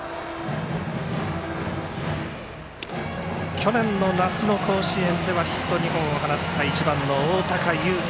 去年の夏の甲子園ではヒット２本放った１番、大高有生。